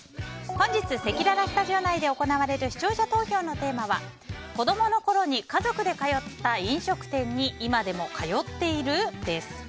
本日せきららスタジオ内で行われる視聴者投票のテーマは子供の頃に家族で通った飲食店に今でも通っている？です。